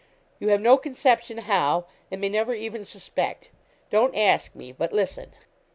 You have no conception how, and may never even suspect. Don't ask me, but listen.'